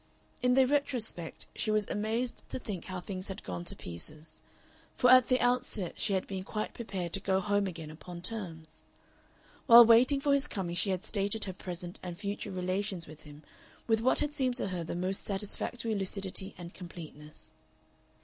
In the retrospect she was amazed to think how things had gone to pieces, for at the outset she had been quite prepared to go home again upon terms. While waiting for his coming she had stated her present and future relations with him with what had seemed to her the most satisfactory lucidity and completeness.